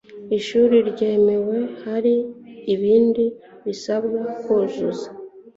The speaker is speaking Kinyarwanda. ishuri ryemewe hari ibindi risabwa kuzuza